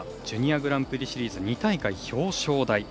ジュニアグランプリシリーズ２大会表彰台。